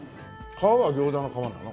皮は餃子の皮なの？